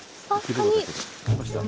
いました？